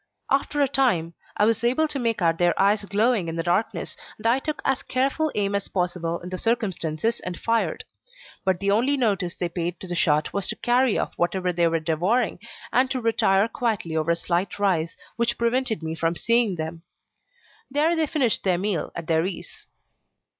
After a time I was able to make out their eyes glowing in the darkness, and I took as careful aim as was possible in the circumstances and fired; but the only notice they paid to the shot was to carry off whatever they were devouring and to retire quietly over a slight rise, which prevented me from seeing them. There they finished their meal at their ease.